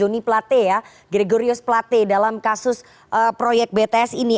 joni plate ya gregorius plate dalam kasus proyek bts ini